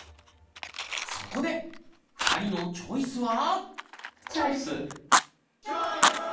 そこで２人のチョイスはチョイス！